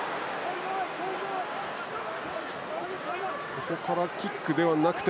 ここからキックではなくて。